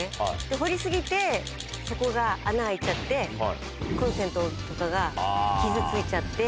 掘り過ぎて、そこが穴開いちゃって、コンセントとかが傷ついちゃって。